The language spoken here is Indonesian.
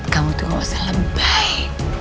kamu tuh ga usah lebay